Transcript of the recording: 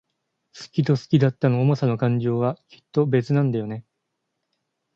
好きと好きだったの想さと感情は、きっと別なんだよね。